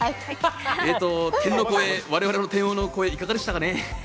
えっと、我々の天の声、いかがでしたかね？